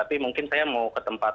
tapi mungkin saya mau ke tempat